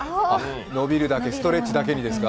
伸びる、ストレッチだけにですか？